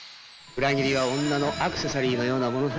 裏切りは女のアクセサリーのようなものさ。